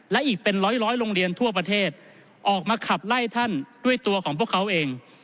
และอีกเป็นร้อยโรงเรียนทั่วประเทศออกมาขับไล่ท่านด้วยตัวของพวกเขาเอง